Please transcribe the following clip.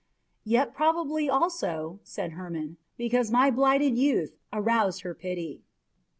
"Yet probably also," said Hermon, "because my blighted youth aroused her pity."